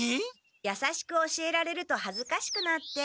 やさしく教えられるとはずかしくなって。